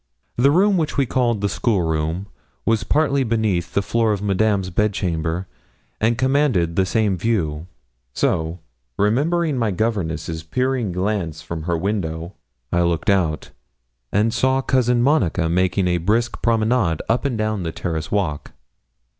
The room which we called the school room was partly beneath the floor of Madame's bed chamber, and commanded the same view; so, remembering my governess's peering glance from her windows, I looked out, and saw Cousin Monica making a brisk promenade up and down the terrace walk.